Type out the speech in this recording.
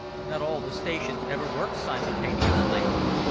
Not all the stations ever worked simultaneously.